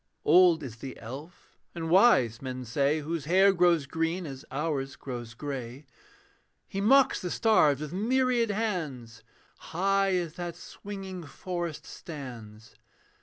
Old is the elf, and wise, men say, His hair grows green as ours grows grey; He mocks the stars with myriad hands. High as that swinging forest stands.